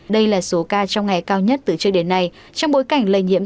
đây là số ca trong ngày cao nhất từ trước đến nay trong bối cảnh lây nhiễm